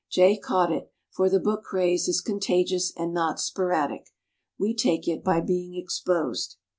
Jay caught it, for the book craze is contagious and not sporadic. We take it by being exposed.